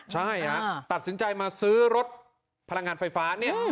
ใช่ตัดสินใจมาซื้อรถพลังงานไฟฟ้าเนี่ย